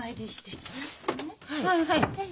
はいはい。